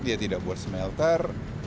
dia tidak membuat smelter